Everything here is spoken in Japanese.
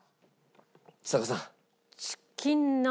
ちさ子さん。